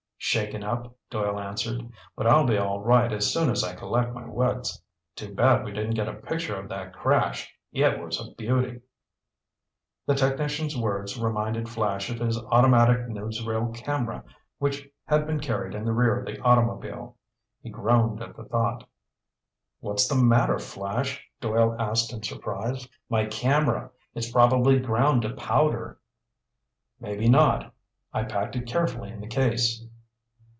"Shaken up," Doyle answered, "but I'll be all right as soon as I collect my wits. Too bad we didn't get a picture of that crash. It was a beauty!" The technician's words reminded Flash of his automatic newsreel camera which had been carried in the rear of the automobile. He groaned at the thought. "What's the matter, Flash?" Doyle asked in surprise. "My camera! It's probably ground to powder!" "Maybe not. I packed it carefully in the case."